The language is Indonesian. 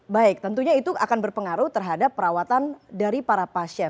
baik tentunya itu akan berpengaruh terhadap perawatan